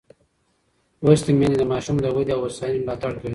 لوستې میندې د ماشوم د ودې او هوساینې ملاتړ کوي.